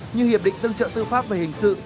như hiệp định tương trợ tư pháp về hình sự